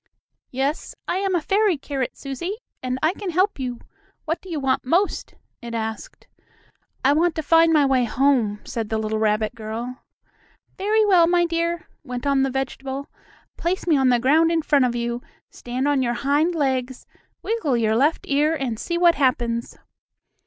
"Yes, I am a fairy carrot, Susie, and I can help you. What do you want most?" it asked. "I want to find my way home," said the little rabbit girl. "Very well, my dear," went on the vegetable. "Place me on the ground in front of you, stand on your hind legs, wiggle your left ear, and see what happens."